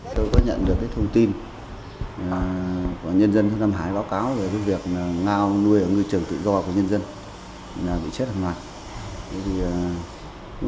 tôi có nhận được thông tin của nhân dân thứ năm hải báo cáo về việc ngao nuôi ở ngư trường tự do của nhân dân bị chết hoặc mạng